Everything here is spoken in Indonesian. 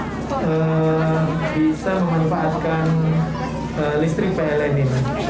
kita bisa memanfaatkan listrik pln ini